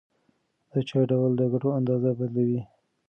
د چای ډول د ګټو اندازه بدلوي.